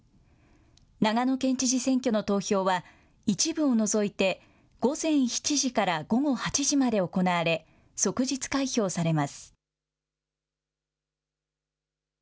長野県知事選挙の投票は、一部を除いて午前７時から午後８時まで行われ、即日開票されます。